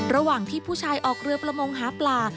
ระหว่างที่ผู้ชายออกเรือประมงหาปลา